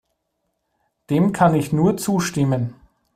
Dem kann ich nur zustimmen.